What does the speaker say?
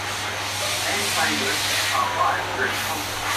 Man playing electric guitar live during a concert.